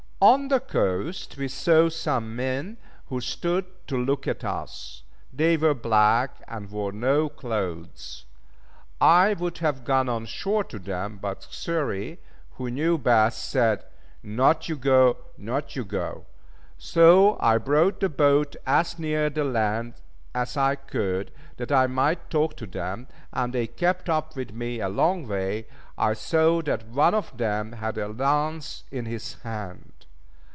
On the coast we saw some men who stood to look at us. They were black, and wore no clothes. I would have gone on shore to them, but Xury who knew best said, "Not you go! Not you go!" So I brought the boat as near the land as I could, that I might talk to them, and they kept up with me a long way. I saw that one of them had a lance in his hand.